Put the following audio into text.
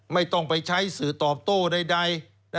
ไม่ต้องไปใช้สื่อตอบโต้ใด